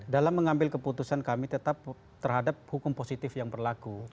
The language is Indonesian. dalam mengambil keputusan kami tetap terhadap hukum positif yang berlaku